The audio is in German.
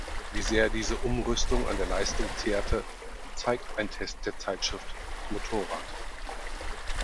Wie sehr diese Umrüstung an der Leistung zehrte, zeigte ein Test der Zeitschrift "Motorrad".